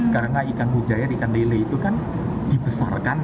karena ikan mujair ikan lele itu kan dibesarkan